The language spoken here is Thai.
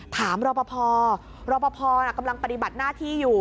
ถามรอบพอร์รอบพอร์อ่ะกำลังปฏิบัติหน้าที่อยู่